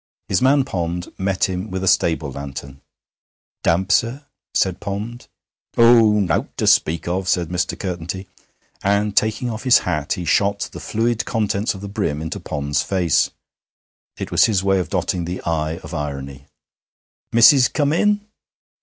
His man Pond met him with a stable lantern. 'Damp, sir,' said Pond. 'Oh, nowt to speak of,' said Mr. Curtenty, and, taking off his hat, he shot the fluid contents of the brim into Pond's face. It was his way of dotting the 'i' of irony. 'Missis come in?'